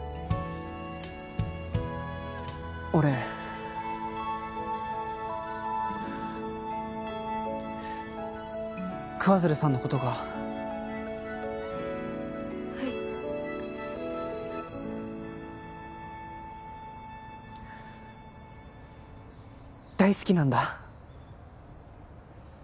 俺桑鶴さんのことがはい大好きなんだ